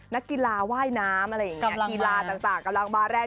นักกีฬาว่ายน้ำอะไรอย่างนี้กีฬาต่างกำลังมาแรง